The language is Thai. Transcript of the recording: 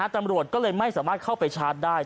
ตำรวจก็เลยไม่สามารถเข้าไปชาร์จได้